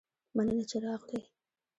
مننه چې راغلي